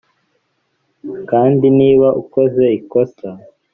Kandi niba ukoze ikosa